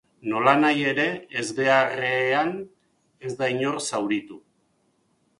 Nolanahi ere, ezbeharrean ez da inor zauritu.